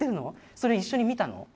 それ一緒に見たの？